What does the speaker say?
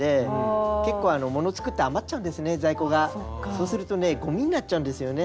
そうするとねゴミになっちゃうんですよね。